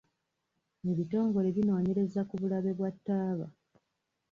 Ebitongole binoonyereza ku bulabe bwa taaba.